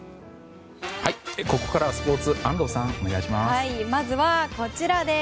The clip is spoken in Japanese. ここからはスポーツ安藤さん、お願いします。